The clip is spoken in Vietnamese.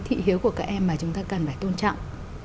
thị hiếu của các em mà chúng ta cần phải tôn trọng